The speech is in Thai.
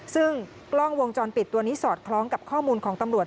ซึ่งกล้องวงจรปิดตัวนี้สอดคล้องกับข้อมูลของตำรวจ